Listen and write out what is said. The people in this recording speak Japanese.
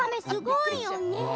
すごいよね。